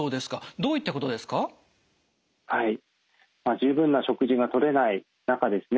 十分な食事がとれない中ですね